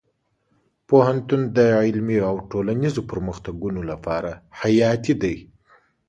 پوهنتون د علمي او ټولنیزو پرمختګونو لپاره حیاتي دی.